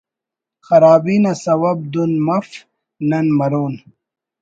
خرابی نا سوب دُن مف نن مرون